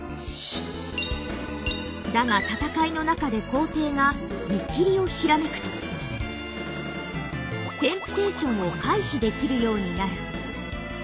だが戦いの中で皇帝が「見切り」を閃くと「テンプテーション」を回避できるようになる。